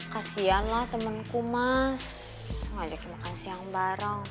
kasian lah temenku mas ngajakin makan siang bareng